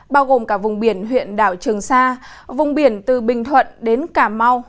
bao gồm cả vùng biển huyện đảo trường sa vùng biển từ bình thuận đến cà mau